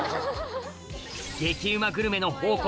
激うまグルメの宝庫